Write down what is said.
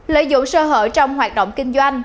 lợi dụng sơ hở trong hoạt động kinh doanh